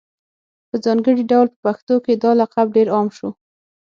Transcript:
په ځانګړي ډول په پښتنو کي دا لقب ډېر عام شو